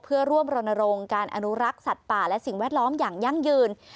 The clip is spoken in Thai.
เพื่อร่วมรณรงค์การอนุรักษ์สัตว์ป่าและสิ่งแวดล้อมอย่างยั่งยืน